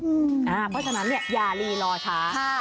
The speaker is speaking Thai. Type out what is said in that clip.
เพราะฉะนั้นอย่ารีรอช้า